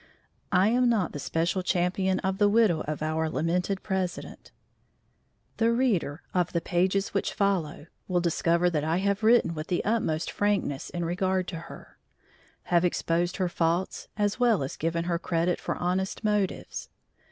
I am not the special champion of the widow of our lamented President; the reader of the pages which follow will discover that I have written with the utmost frankness in regard to her have exposed her faults as well as given her credit for honest motives.